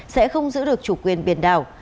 sẽ không giữ được chủ quyền biển đảo